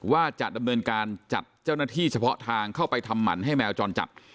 ว่าจะดำเนินการจัดเจ้าหน้าที่เฉพาะทางเข้าไปทำหมั่นให้แมวจรจัด